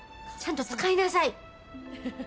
ちゃんと使いなさい。